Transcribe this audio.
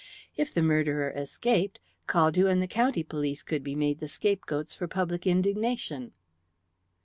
If the murderer escaped, Caldew and the county police could be made the scapegoats for public indignation.